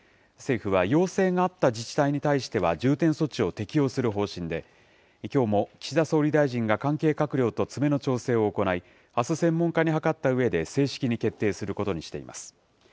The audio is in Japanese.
政府は要請があった自治体に対しては重点措置を適用する方針で、きょうも岸田総理大臣が関係閣僚と詰めの調整を行い、あす、専門家に諮ったうえで正式に決定することにしています。